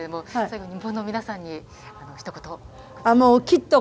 日本の皆さんにひと言。